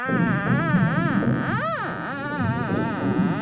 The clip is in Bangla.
যে যা দেখে আমাকে এসে অর্থ জিজ্ঞেস করে।